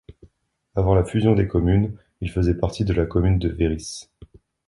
Avant la fusion des communes, il faisait partie de la commune de Wéris.